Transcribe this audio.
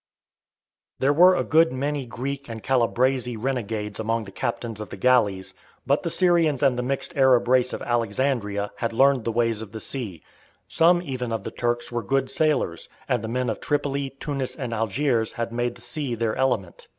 There were a good many Greek and Calabrese renegades among the captains of the galleys, but the Syrians and the mixed Arab race of Alexandria had learned the ways of the sea; some even of the Turks were good sailors, and the men of Tripoli, Tunis, and Algiers had made the sea their element.